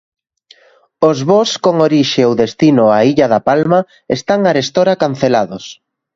Os voos con orixe ou destino á illa da Palma están arestora cancelados.